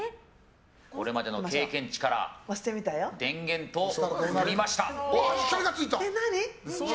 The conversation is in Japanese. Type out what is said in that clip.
これまでの経験値から電源と踏みました。